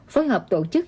phối hợp tổ chức